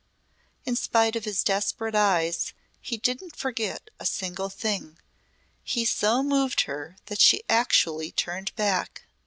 In spite of his desperate eyes he didn't forget a single thing. He so moved her that she actually turned back.